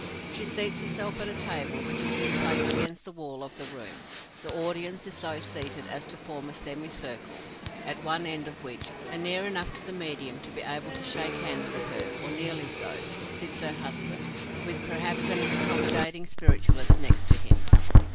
She seats herself at a table, which has been placed against the wall of the room. The audience is so seated as to form a semicircle, at one end of which, and near enough to the medium to be able to shake hands with her, or nearly so, sits her husband, with perhaps an accommodating spiritualist next to him.